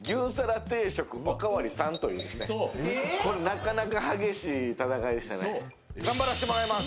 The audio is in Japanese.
なかなか激しい戦いでしたね。